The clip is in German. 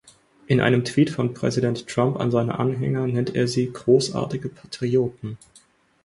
In einem Tweet von Präsident Trump an seine Anhänger nennt er sie "großartige Patrioten".